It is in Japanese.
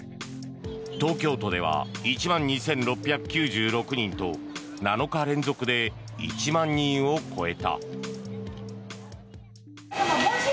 東京都では、１万２６９６人と７日連続で１万人を超えた。